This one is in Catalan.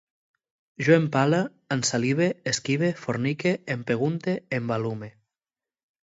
Jo empale, ensalive, esquive, fornique, empegunte, embalume